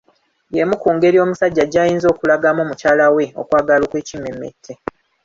Y'emu ku ngeri omusajja gy'ayinza okulagamu mukyala we okwagala okwekimmemmette.